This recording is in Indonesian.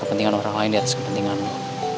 kepentingan orang lain di atas kepentinganmu